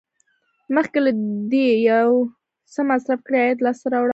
مخکې له دې چې یو څه مصرف کړئ عاید لاسته راوړه.